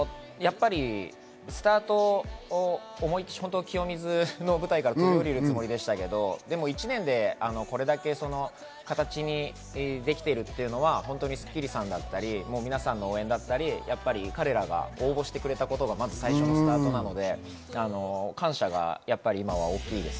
スタートを清水の舞台から飛び降りるつもりでしたけど、１年でこれだけ形に出来ているっていうのは『スッキリ』さんだったり、皆さんの応援だったり、彼らが応募してくれたことが最初のスタートなので、感謝がやっぱり大きいです。